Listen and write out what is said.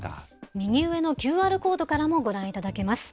右上のＱＲコードからもご覧いただけます。